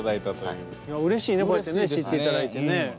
いやうれしいねこうやってね知っていただいてね。